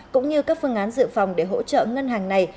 cũng như các phương án dự phòng để hỗ trợ ngân hàng này